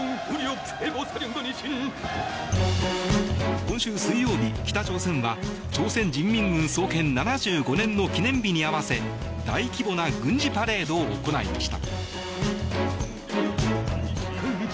今週水曜日、北朝鮮は朝鮮人民軍創建７５年の記念日に合わせ大規模な軍事パレードを行いました。